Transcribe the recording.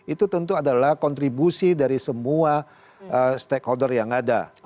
itu tentu adalah kontribusi dari semua stakeholder yang ada